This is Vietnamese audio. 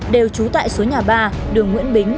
đều trú tại số nhà ba đường nguyễn bính